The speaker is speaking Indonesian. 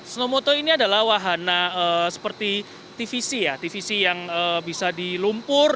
snowmoto ini adalah wahana seperti tvc ya tvc yang bisa dilumpur